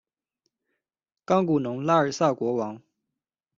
冈古农拉尔萨国王。